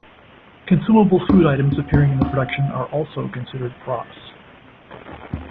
Consumable food items appearing in the production are also considered props.